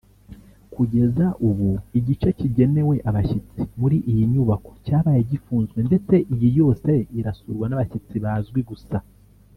Kugeza ubu igice kigenewe abashyitsi muri iyi nyubako cyabaye gifunzwe ndetse iyi yose irasurwa n’abashyitsi bazwi gusa